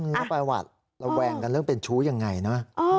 แล้วประวัติระแวงกันเรื่องเป็นชู้ยังไงนะ